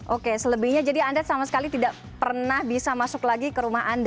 oke selebihnya jadi anda sama sekali tidak pernah bisa masuk lagi ke rumah anda